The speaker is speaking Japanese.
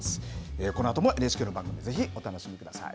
このあともＮＨＫの番組、ぜひ、お楽しみください。